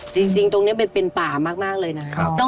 จริงตรงนี้เป็นป่ามากเลยนะครับ